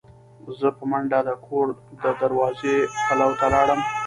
زه په منډه د کور د دروازې پلو ته لاړم.